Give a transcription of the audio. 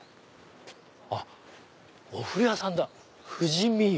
あっお風呂屋さんだ「富士見湯」。